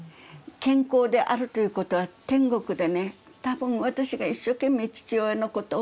健康であるということは天国でね多分私が一生懸命父親のことを思いをね